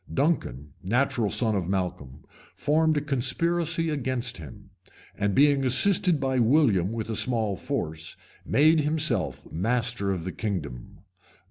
Duncan, natural son of Malcolm, formed a conspiracy against him; and being assisted by William with a small force, made himself master of the kingdom.